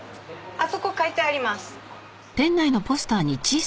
あそこ書いてあります。